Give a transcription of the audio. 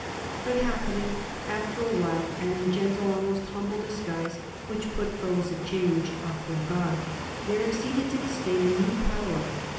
But happily, after a while, and in gentle, almost humble, disguise, which put foes of change off their guard, there acceded to the state a new power.